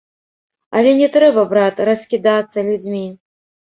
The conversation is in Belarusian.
Але не трэба, брат, раскідацца людзьмі.